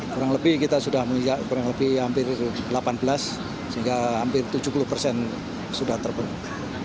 kurang lebih kita sudah menginjak kurang lebih hampir delapan belas sehingga hampir tujuh puluh persen sudah terpenuh